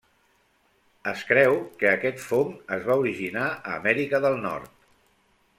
Es creu que aquest fong es va originar a Amèrica del Nord.